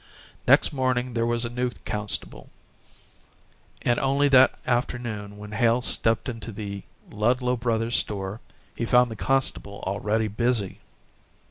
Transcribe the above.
Next morning there was a new constable, and only that afternoon when Hale stepped into the Ludlow Brothers' store he found the constable already busy.